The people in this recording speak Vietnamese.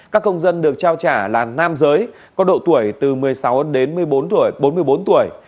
các công dân được trao trả là nam giới có độ tuổi từ một mươi sáu đến bốn mươi bốn tuổi